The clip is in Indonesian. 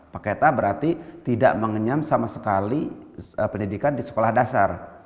paket a berarti tidak mengenyam sama sekali pendidikan di sekolah dasar